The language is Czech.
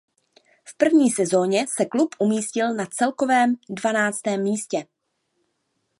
V první sezóně se klub umístil na celkovém dvanáctém místě.